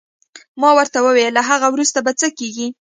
ما ورته وویل: له هغه وروسته به څه کېږي؟